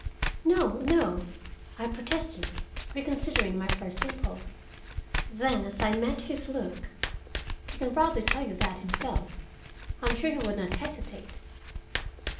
"No, no," I protested, reconsidering my first impulse. Then, as I met his look, "He can probably tell you that himself. I am sure he would not hesitate."